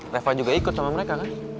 reva juga ikut sama mereka kan